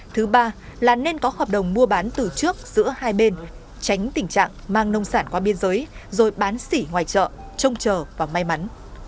thứ ba là nên có hợp đồng mua bán từ trước giữa hai bên tránh tình trạng mang nông sản qua biên giới rồi bán xỉ ngoài chợ trông chờ và may mắn